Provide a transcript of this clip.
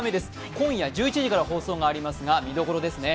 今夜１１時から放送がありますが見どころですね。